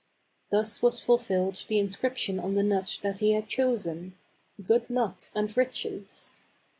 Thus was fulfilled the inscription on the nut that he had chosen :" Good Luck and Riches."